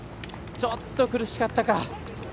ちょっと苦しかったか。